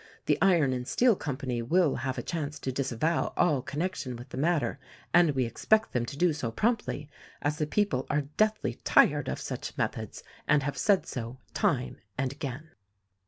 The Iron and Steel Company will have a chance to disavow all connection with the matter and we expect them to do so promptly, as the people are deathly tired of such methods — and have said so, time and again."